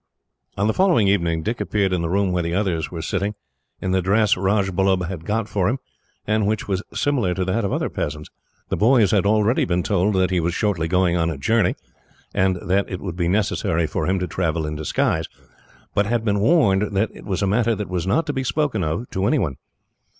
On the following evening, Dick appeared in the room where the others were sitting, in the dress Rajbullub had got for him, and which was similar to that of other peasants. The boys had already been told that he was shortly going on a journey, and that it would be necessary for him to travel in disguise, but had been warned that it was a matter that was not to be spoken of, to anyone.